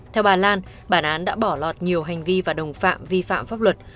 theo bà lan bản án đã bỏ lọt nhiều hành vi và đồng phạm vi phạm pháp luật